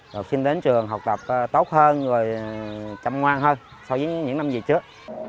rồi khi đến trường học tập tốt hơn rồi chăm ngoan hơn so với những năm về trước